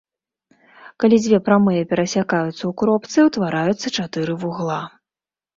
Калі дзве прамыя перасякаюцца ў кропцы, утвараюцца чатыры вугла.